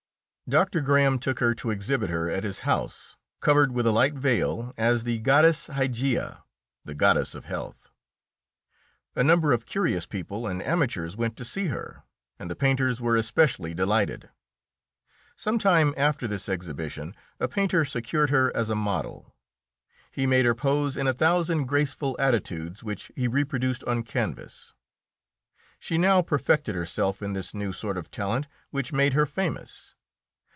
Doctor Graham took her to exhibit her at his house, covered with a light veil, as the goddess Hygeia (the goddess of health). A number of curious people and amateurs went to see her, and the painters were especially delighted. Some time after this exhibition, a painter secured her as a model; he made her pose in a thousand graceful attitudes, which he reproduced on canvas. She now perfected herself in this new sort of talent which made her famous.